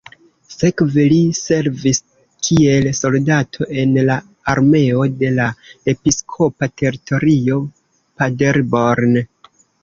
Sekve li servis kiel soldato en la armeo de la episkopa teritorio Paderborn.